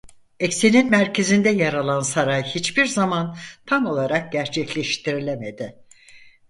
Eksenin merkezinde yer alan saray hiçbir zaman tam olarak gerçekleştirilemedi.